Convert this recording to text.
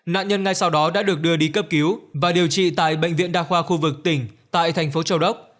nạn nhân ngay sau đó đã được đưa đi cấp cứu và điều trị tại bệnh viện đa khoa khu vực tỉnh tại thành phố châu đốc